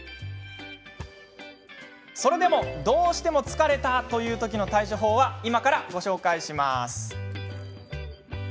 それでも、どうしても疲れたというときの対処法は今から、ご紹介します。